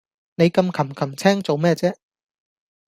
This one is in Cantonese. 你咁擒擒青做咩啫